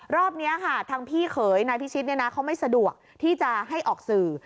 รอบนี้ค่ะทางพี่เขยนายพิชิตเขาไม่สะดวกที่จะให้ออกสื่อ